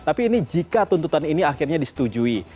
tapi ini jika tuntutan ini akhirnya disetujui